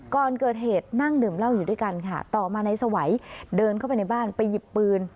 ก่อนเกิดเหตุนั่งดื่มเหล้าอยู่ด้วยกันค่ะต่อมานายสวัยเดินเข้าไปในบ้านไปหยิบปืน